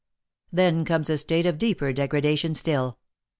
Then comes a state of deeper degradation still.